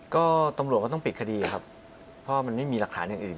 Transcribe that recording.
ก็ตำรวจก็ต้องปิดคดีครับเพราะมันไม่มีหลักฐานอย่างอื่น